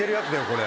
これ。